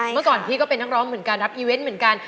เมื่อก่อนพี่ก็เป็นนักร้องเหมือนกันรับอีเวนต์เหมือนกัน